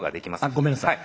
あっごめんなさい。